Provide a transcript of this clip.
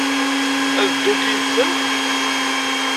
Ad ddunt yid-sent?